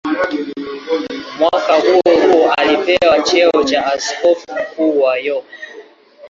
Mwaka huohuo alipewa cheo cha askofu mkuu wa York.